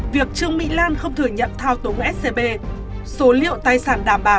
việc trương mỹ lan không thừa nhận thao túng scb số liệu tài sản đảm bảo